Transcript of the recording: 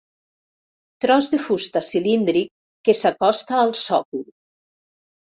Tros de fusta cilíndric que s'acosta al sòcol.